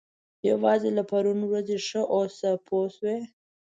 یوازې له پرون ورځې ښه واوسه پوه شوې!.